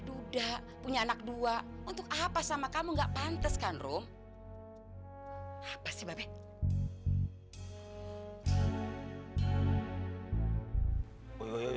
duda punya anak dua untuk apa sama kamu enggak pantes kan rum apa sih bebek